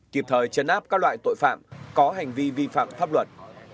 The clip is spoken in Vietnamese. kịp thời chấn áp các loại tội phạm có hành vi vi phạm pháp luật